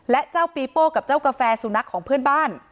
และเจ้าปีโป้กับเจ้ากาแฟสุนัขของเพื่อนบ้าน